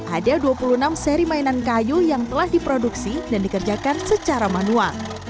ada dua puluh enam seri mainan kayu yang telah diproduksi dan dikerjakan secara manual